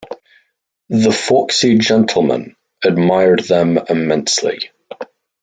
The foxy gentleman admired them immensely.